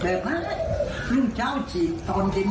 พี่เอ็ดหรือจ้าวเจีตอนเย็นเจี